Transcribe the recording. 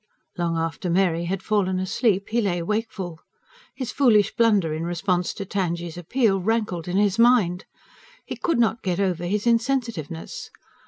Long after Mary had fallen asleep he lay wakeful. His foolish blunder in response to Tangye's appeal rankled in his mind. He could not get over his insensitiveness.